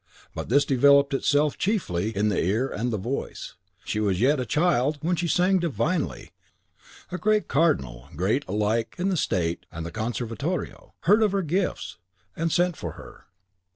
But this developed itself chiefly in the ear and the voice. She was yet a child when she sang divinely. A great Cardinal great alike in the State and the Conservatorio heard of her gifts, and sent for her.